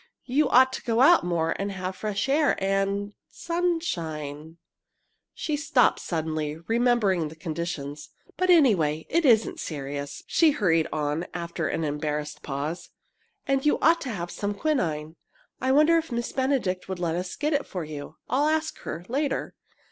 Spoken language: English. You ought to go out more, and have fresh air and sunshine " She stopped suddenly, remembering the conditions. "But anyway, it isn't serious," she hurried on, after an embarrassed pause. "And you ought to have some quinine. I wonder if Miss Benedict would let us get it for you. I'll ask her, later."